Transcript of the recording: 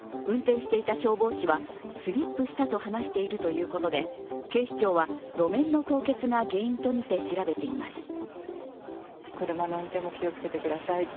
運転していた消防士は、スリップしたと話しているということで、警視庁は路面の凍結が原因とみて調べています。